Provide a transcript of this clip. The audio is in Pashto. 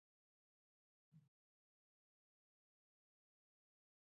مینې په کور کې یو وړوکی کتابتون جوړ کړی و